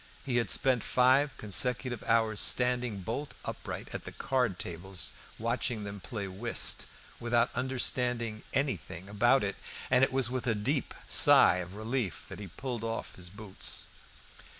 He had spent five consecutive hours standing bolt upright at the card tables, watching them play whist, without understanding anything about it, and it was with a deep sigh of relief that he pulled off his boots.